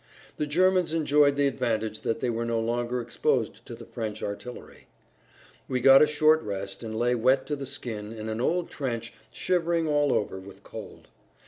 The Germans enjoyed the advantage that they were no longer exposed to the French artillery. We got a short rest, and lay wet to the skin in an old trench shivering all over with cold.